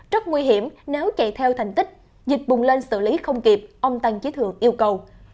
rất nguy hiểm nếu chạy theo thành tích dịch bùng lên xử lý không kịp ông tăng trí thượng yêu cầu